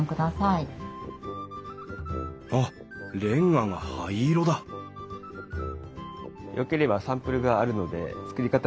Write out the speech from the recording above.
あっレンガが灰色だよければサンプルがあるので作り方を説明しましょうか？